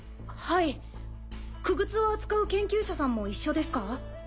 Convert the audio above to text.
はい傀儡を扱う研究者さんも一緒ですか？